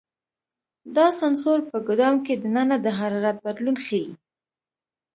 دا سنسر په ګدام کې دننه د حرارت بدلون ښيي.